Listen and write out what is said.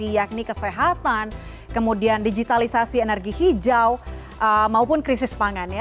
yakni kesehatan kemudian digitalisasi energi hijau maupun krisis pangan